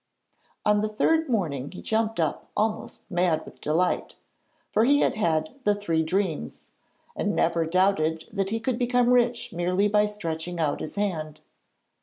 On the third morning he jumped up almost mad with delight, for he had had the three dreams, and never doubted that he could become rich merely by stretching out his hand.